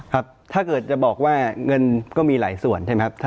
ถ้าเกิดจะบอกว่าเงินก็มีหลายส่วนใช่ไหมครับ